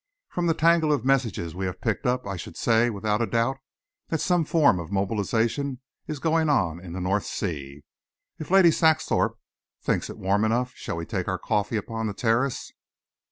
From the tangle of messages we have picked up, I should say, without a doubt, that some form of mobilisation is going on in the North Sea. If Lady Saxthorpe thinks it warm enough, shall we take our coffee upon the terrace?"